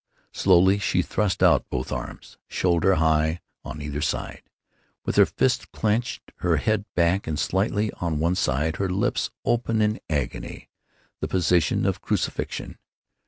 Slowly she thrust out both arms, shoulder high on either side, with her fists clenched; her head back and slightly on one side; her lips open in agony—the position of crucifixion.